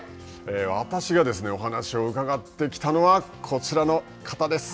私がお話を伺ってきたのはこちらの方です。